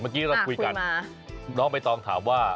เมื่อกี้เราคุยกันน้องใบตองถามว่า